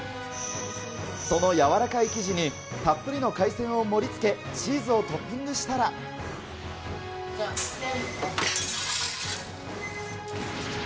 その柔らかい生地にたっぷりの海鮮を盛りつけ、チーズをトッピングしたら。来た！